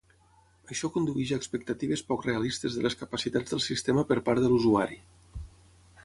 Això condueix a expectatives poc realistes de les capacitats del sistema per part de l'usuari.